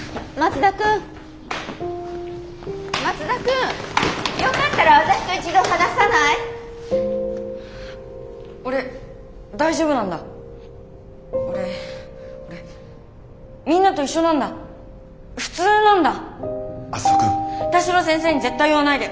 田代先生に絶対言わないで。